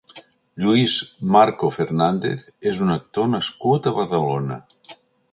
Lluís Marco Fernández és un actor nascut a Badalona.